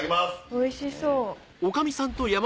おいしそう。